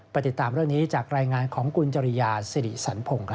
ติดตามเรื่องนี้จากรายงานของคุณจริยาสิริสันพงศ์